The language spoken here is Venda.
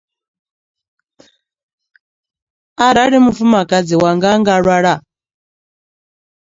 Arali mufumakadzi wanga a nga lwala?